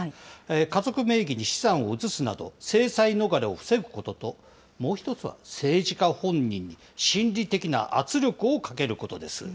家族名義に資産を移すなど、制裁逃れを防ぐことと、もう１つは政治家本人に心理的な圧力をかけることです。